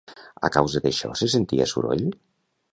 A causa d'això se sentia soroll?